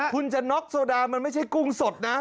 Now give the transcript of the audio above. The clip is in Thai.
คุณจะน็อกโซดามันไม่ใช่กุ้งสดนะ